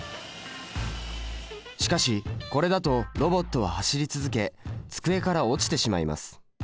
しかしこれだとロボットは走り続け机から落ちてしまいます。